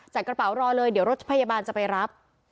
กระเป๋ารอเลยเดี๋ยวรถพยาบาลจะไปรับ